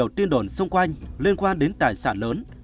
và rất nhiều tin đồn xung quanh liên quan đến tài sản lớn